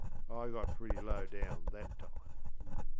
I got pretty low down that time.)